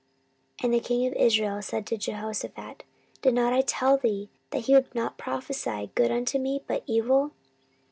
14:018:017 And the king of Israel said to Jehoshaphat, Did I not tell thee that he would not prophesy good unto me, but evil?